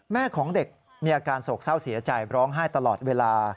แม่ของเด็กมีอาการโศกเศร้าเสียใจร้องไห้ตลอดเวลา